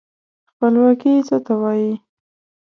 خپلواکي څه ته وايي.